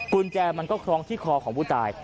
กุญแจมันก็คล้องที่คอของผู้ตาย